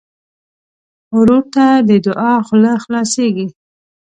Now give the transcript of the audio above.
ورور ته د دعا خوله خلاصيږي.